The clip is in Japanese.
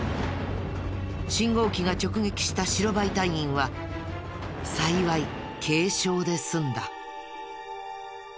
信号機が直撃した白バイ隊員は幸い軽傷で済んだ。